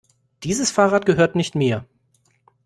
Dieses Fahrrad gehört nicht mir.